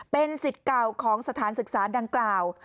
เป็นสิทธิ์เก่าของสถานศึกษาดังกล่าว